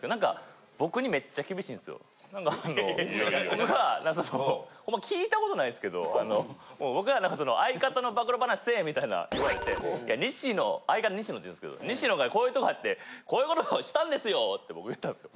僕はほんま聞いた事ないですけど僕が「相方の暴露話せえ」みたいな言われて西野相方西野って言うんですけど「西野がこういうとこあってこういう事をしたんですよ！」って僕言ったんですよ。